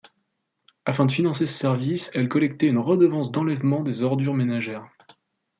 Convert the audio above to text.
Afin de financer ce service, elle collectait une redevance d'enlèvement des ordures ménagères.